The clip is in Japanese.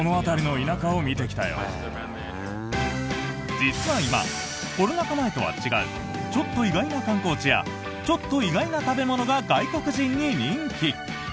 実は今、コロナ禍前とは違うちょっと意外な観光地やちょっと意外な食べ物が外国人に人気！